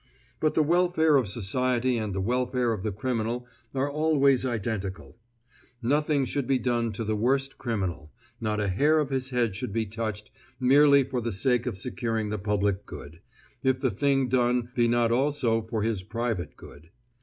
But the welfare of society and the welfare of the criminal are always identical. Nothing should be done to the worst criminal, not a hair of his head should be touched merely for the sake of securing the public good, if the thing done be not also for his private good.